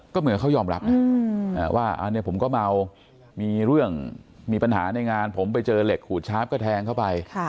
ก็เหมือนเขายอมรับนะว่าอันนี้ผมก็เมามีเรื่องมีปัญหาในงานผมไปเจอเหล็กขูดชาร์ฟก็แทงเข้าไป